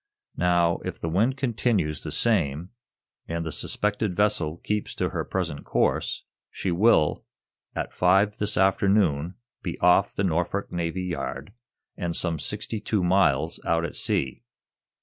Now, if the wind continues the same, and the suspected vessel keeps to her present course, she will, at five this afternoon, be off the Norfolk Navy Yard, and some sixty two miles out at sea.